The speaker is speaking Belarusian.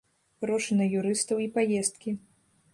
Грошы на юрыстаў і паездкі.